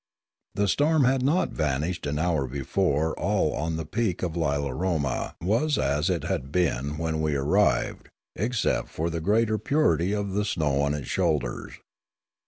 The storm had not vanished an hour before all on the peak of Lilaroma was as it had been when we arrived, except for the greater purity of the snow on its shoulders.